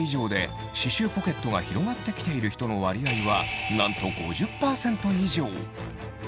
１５歳以上で歯周ポケットが広がってきている人の割合はなんと５０％以上。